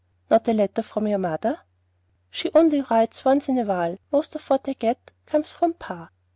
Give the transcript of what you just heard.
"Not a letter from your mother?" "She only writes once in a while. Most of what I get comes from pa."